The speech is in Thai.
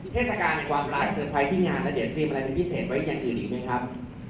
เทศกาลความร้ายเตอร์ไพรส์ที่งานแล้วเดี๋ยวเตรียมอะไรเป็นพิเศษไว้อย่างอื่นอีกไหมครับ